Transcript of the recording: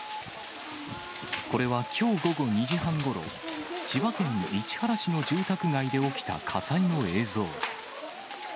これはきょう午後２時半ごろ、千葉県市原市の住宅街で起きた火災の映像。